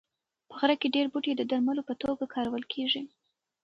په غره کې ډېر بوټي د درملو په توګه کارول کېږي.